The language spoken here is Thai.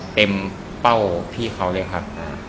เป้าพี่เขาเลยครับ